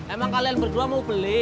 emang kalian berdua mau beli